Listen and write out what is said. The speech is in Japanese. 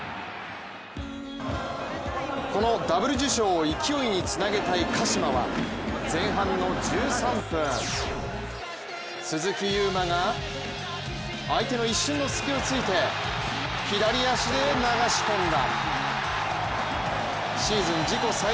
このダブル受賞を勢いにつなげたい鹿島は前半の１３分、鈴木優磨が相手の一瞬の隙を突いて左足で流し込んだ。